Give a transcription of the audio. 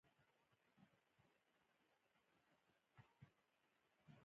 ځمکنی شکل د افغان تاریخ په کتابونو کې ذکر شوی دي.